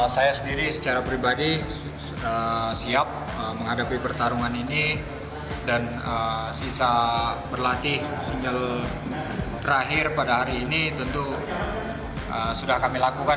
saya sendiri secara pribadi siap menghadapi pertarungan ini dan sisa berlatih tinggal terakhir pada hari ini tentu sudah kami lakukan